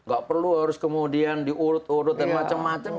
gak perlu harus kemudian diurut urut dan macam macam